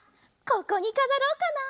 ここにかざろうかな？